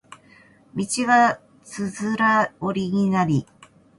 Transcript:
道がつづら折りになり